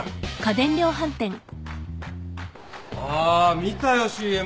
あ見たよＣＭ。